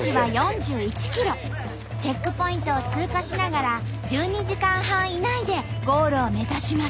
チェックポイントを通過しながら１２時間半以内でゴールを目指します。